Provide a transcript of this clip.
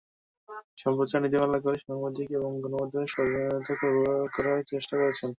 সম্প্রচার নীতিমালা করে সাংবাদিক এবং গণমাধ্যমের স্বাধীনতা খর্ব করার চেষ্টা করছে।